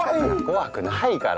怖くないから。